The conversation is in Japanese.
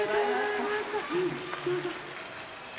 どうぞ。